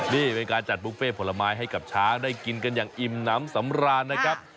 นี่เป็นการจัดบุฟเฟ่ผลไม้ให้กับช้างได้กินกันอย่างอิ่มน้ำสำราญนะครับ